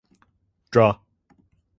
Draw.